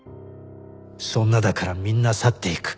そんなだからみんな去っていく。